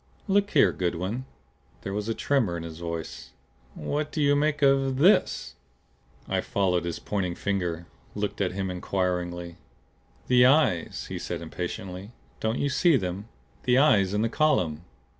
"Look here, Goodwin!" There was a tremor in his voice. "What do you make of THIS?" I followed his pointing finger; looked at him inquiringly. "The eyes!" he said impatiently. "Don't you see them? The eyes in the column!"